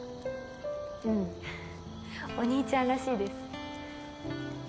うん。お兄ちゃんらしいです。